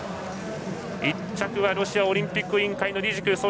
１着はロシアオリンピック委員会リジク。